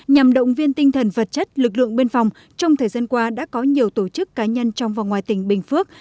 nhằm động viên tinh thần vật chất lực lượng biên phòng trong thời gian qua đã có nhiều tổ chức cá nhân trong và ngoài tỉnh bình phước